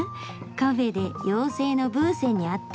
カフェで妖精のブーセンに会って。